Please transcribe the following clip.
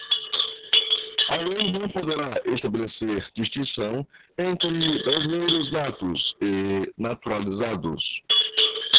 A lei não poderá estabelecer distinção entre brasileiros natos e naturalizados